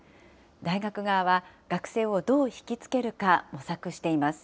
大学側は学生をどう引き付けるか、模索しています。